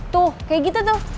tuh kayak gitu tuh